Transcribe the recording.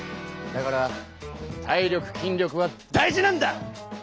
だから体力きん力は大事なんだ！